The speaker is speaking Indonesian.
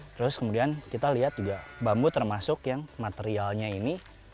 terus kemudian kita lihat juga bambu termasuk yang materialnya ini